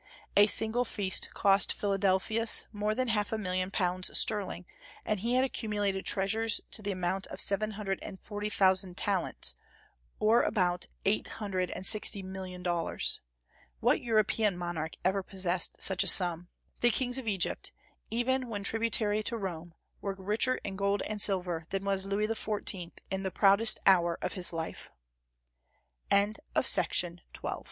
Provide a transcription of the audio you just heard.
A single feast cost Philadelphus more than half a million of pounds sterling, and he had accumulated treasures to the amount of seven hundred and forty thousand talents, or about eight hundred and sixty million dollars. What European monarch ever possessed such a sum? The kings of Egypt, even when tributary to Rome, were richer in gold and silver than was Louis XIV. in the proudest hour of his life. The ground plan of Alexandria